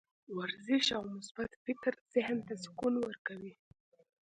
ورزش او مثبت فکر ذهن ته سکون ورکوي.